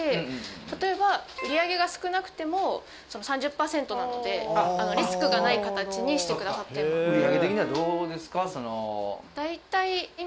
例えば売り上げが少なくてもその３０％なのでリスクがない形にしてくださってます。